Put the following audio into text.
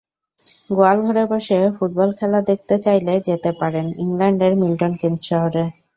গোয়ালঘরে বসে ফুটবল খেলা দেখতে চাইলে যেতে পারেন ইংল্যান্ডের মিল্টন কিনস শহরে।